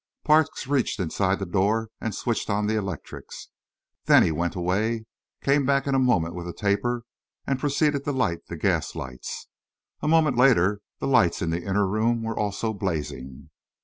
Parks reached inside the door and switched on the electrics. Then he went away, came back in a moment with a taper, and proceeded to light the gas lights. A moment later, the lights in the inner room were also blazing.